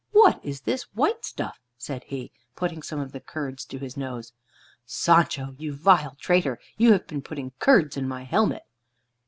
"What is this white stuff?" said he, putting some of the curds to his nose. "Sancho, you vile traitor, you have been putting curds in my helmet!"